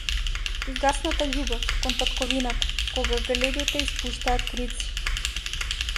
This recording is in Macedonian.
Згасната љубов кон татковината, кога галебите испуштаат крици.